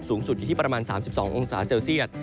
สูงสุดอยู่ที่ประมาณ๓๒องศาเซลเซียต